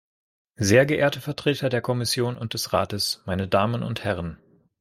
Sehr geehrte Vertreter der Kommission und des Rates, meine Damen und Herren!